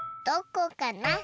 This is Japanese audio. どこかな？